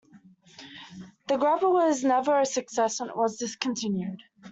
The "Gravel" was never a success and was discontinued.